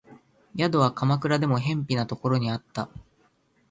宿は鎌倉でも辺鄙なところにあった